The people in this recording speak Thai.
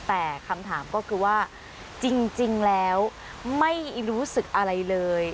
แต่คำถามก็คือว่าจริงแล้วไม่รู้สึกอะไรเลย